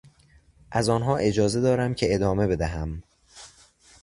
از آنها اجازه دارم که ادامه بدهم.